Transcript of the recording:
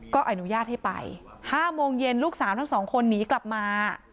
ก็อนุญาตให้ไป๕โมงเย็นลูกสาวทั้งสองคนหนีกลับมา